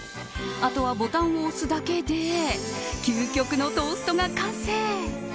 あとはボタンを押すだけで究極のトーストが完成。